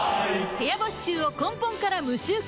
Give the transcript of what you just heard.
部屋干し臭を根本から無臭化